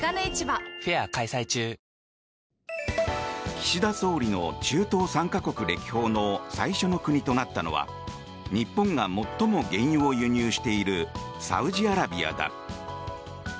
岸田総理の中東３か国歴訪の最初の国となったのは日本が最も原油を輸入しているサウジアラビアだ。